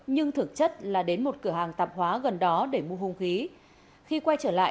nhưng thực chất là đến một cửa hàng tạp hóa gần đó để mua hung khí